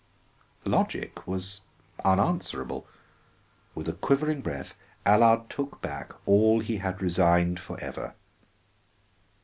The logic was unanswerable; with a quivering breath Allard took back all he had resigned for ever.